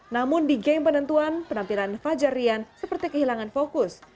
namun di game penentuan penampilan fajar rian seperti kehilangan fokus